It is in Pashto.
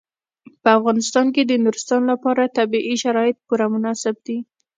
په افغانستان کې د نورستان لپاره طبیعي شرایط پوره مناسب دي.